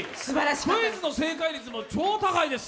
クイズの正解率も超高いです。